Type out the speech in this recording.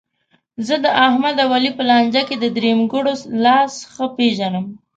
زه داحمد او علي په لانجه کې د درېیمګړو لاس ښه پېژنم.